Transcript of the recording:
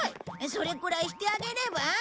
それくらいしてあげれば？